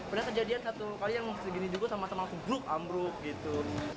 pernah kejadian satu kali yang begini juga sama sama aku gluk ambruk gitu